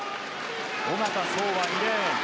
小方颯は２レーン。